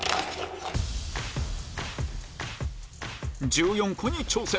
１４個に挑戦！